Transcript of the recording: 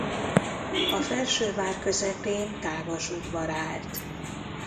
A felső vár közepén tágas udvar állt.